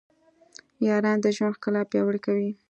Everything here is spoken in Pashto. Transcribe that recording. یاران د ژوند ښکلا پیاوړې کوي.